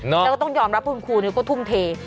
แล้วก็ต้องยอมรับคุณครูก็ทุ่มเท